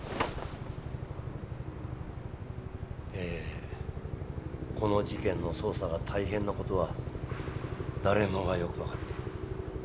えこの事件の捜査が大変な事は誰もがよく分かっている。